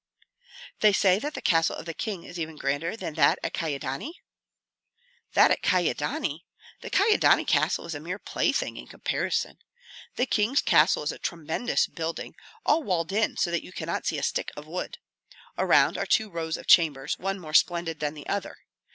"They say that the castle of the king is even grander than that at Kyedani?" "That at Kyedani! The Kyedani castle is a mere plaything in comparison. The king's castle is a tremendous building, all walled in so that you cannot see a stick of wood. Around are two rows of chambers, one more splendid than the other.